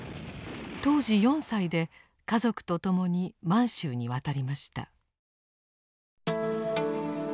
当時４歳で家族と共に満州に渡りました。